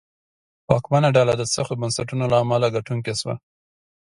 واکمنه ډله د سختو بنسټونو له امله ګټونکې شوه.